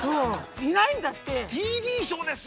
◆いないんだって。